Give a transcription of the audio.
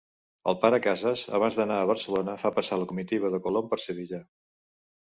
El Pare Cases, abans d'anar a Barcelona, fa passar la comitiva de Colom per Sevilla.